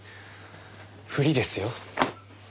振りですよ。